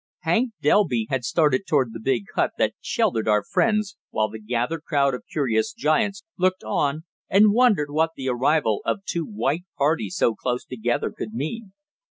Hank Delby had started toward the big hut that sheltered our friends, while the gathered crowd of curious giants looked on and wondered what the arrival of two white parties so close together could mean.